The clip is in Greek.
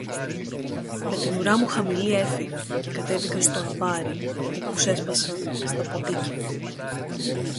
Με την ουρά μου χαμηλή έφυγα και κατέβηκα στο αμπάρι, όπου ξέσπασα στα ποντίκια